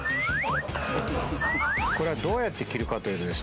「これはどうやって着るかというとですね